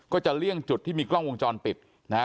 เลี่ยงจุดที่มีกล้องวงจรปิดนะฮะ